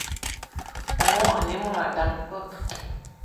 Memogo ane mod a da peuk.